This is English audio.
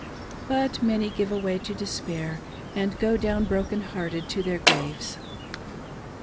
But many give way to despair, and go down broken hearted to their graves.